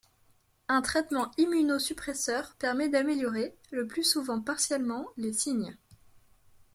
Un traitement immunosuppresseur permet d'améliorer, le plus souvent partiellement, les signes.